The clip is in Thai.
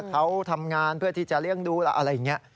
เขาทำงานเพื่อที่จะเลี้ยงดูอะไรอย่างนี้